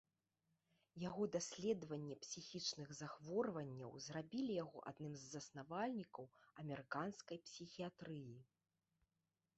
Яго даследаванне псіхічных захворванняў зрабілі яго адным з заснавальнікаў амерыканскай псіхіятрыі.